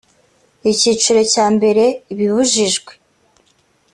icyiciro cya mbere ibibujijwe